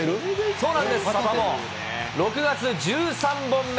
そうなんです、６月１３本目。